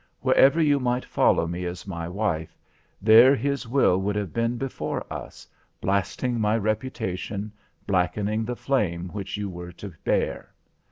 Wherever you might follow me as my wife, there his will would have been before us, blasting my reputation, blackening the flame which you were to bear.